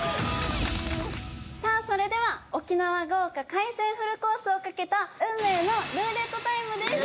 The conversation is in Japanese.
さあそれでは沖縄豪華海鮮フルコースを懸けた運命のルーレットタイムです！